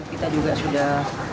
kita juga sudah